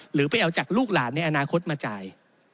หรือไปเอาจากลูกหลานในอนาคตมาจ่าย